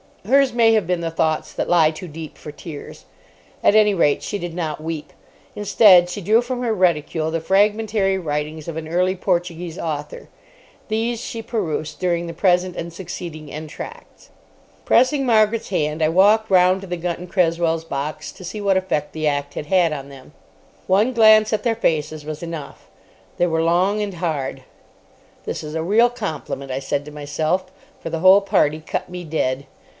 Hers may have been the thoughts that lie too deep for tears. At any rate, she did not weep. Instead, she drew from her reticule the fragmentary writings of an early Portuguese author. These she perused during the present and succeeding entr'actes. Pressing Margaret's hand, I walked round to the Gunton Cresswells's box to see what effect the act had had on them. One glance at their faces was enough. They were long and hard. "This is a real compliment," I said to myself, for the whole party cut me dead.